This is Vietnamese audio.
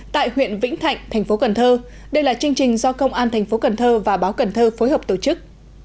tại huyện vĩnh thạnh thành phố cần thơ đây là chương trình do công an thành phố cần thơ và báo cần thơ phối hợp tổ chức